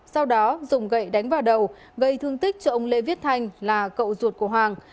sau đó dùng gậy đánh vào đầu gây thương tích cho ông lê viết thanh là cậu ruột của hoàng